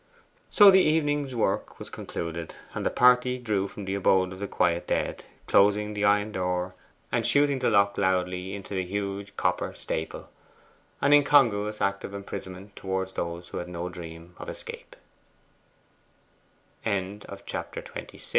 So the evening's work was concluded, and the party drew from the abode of the quiet dead, closing the old iron door, and shooting the lock loudly into the huge copper staple an incongruous act of imprisonment towards those who had no dreams of